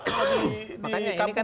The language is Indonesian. makanya ini kan hanya satu persediaan